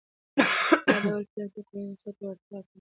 دا ډول فعالیتونه د کورنۍ اقتصاد پیاوړی کوي.